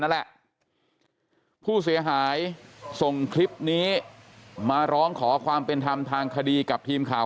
นั่นแหละผู้เสียหายส่งคลิปนี้มาร้องขอความเป็นธรรมทางคดีกับทีมข่าว